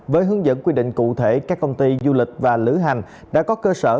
với hướng dẫn quy định cụ thể các công ty du lịch và lữ hành đã có cơ sở